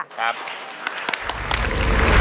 ครับ